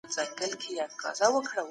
د لوستلو ذوق باید له ماسومتوبه پیل سي.